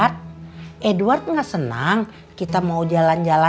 tidak ada apa saya